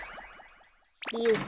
よっ。